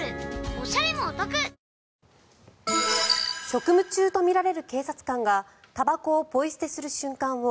職務中とみられる警察官がたばこをポイ捨てする瞬間を